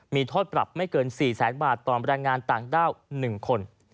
มีโทษปรับไม่เกิน๔แสนบาทต่อแรงงานต่างด้าว๑คน